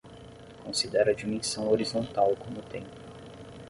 Considera a dimensão horizontal como tempo.